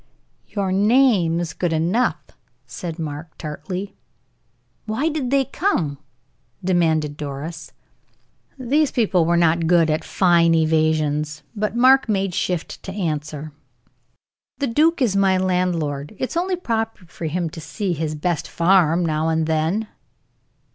"Your name is good enough," said Mark, tartly. "Why did they come?" demanded Doris. These people were not good at fine evasions, but Mark made shift to answer: "The duke is my landlord; it is only proper for him to see his best farm now and then."